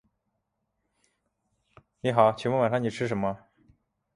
He previously played for the Colorado Rockies.